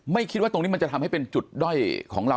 คิดว่าตรงนี้มันจะทำให้เป็นจุดด้อยของเรา